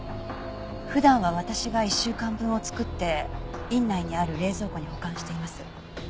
普段は私が一週間分を作って院内にある冷蔵庫に保管しています。